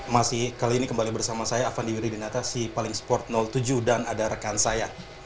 masih kali ini kembali bersama saya avandi wiridinata si paling sport tujuh dan ada rekan saya